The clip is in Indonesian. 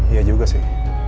iya juga sih